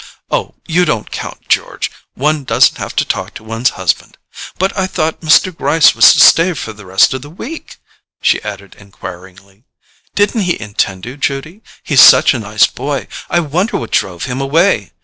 Oh, you don't count, George: one doesn't have to talk to one's husband. But I thought Mr. Gryce was to stay for the rest of the week?" she added enquiringly. "Didn't he intend to, Judy? He's such a nice boy—I wonder what drove him away?